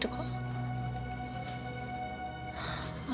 tentu itu kok